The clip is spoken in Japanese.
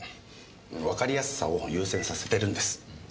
わかりやすさを優先させてるんです。